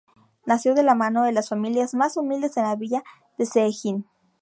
Nació de la mano de las familias más humildes de la villa de Cehegín.